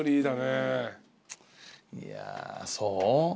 いやそう？